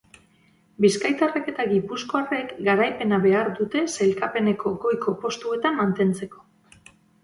Bizkaitarrek eta gipuzkoarrek garaipena behar dute sailkapeneko goiko postuetan mantentzeko.